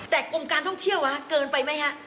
แต่กรมการท่องเที่ยวเกินไปไหมฮะ